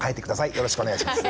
よろしくお願いします。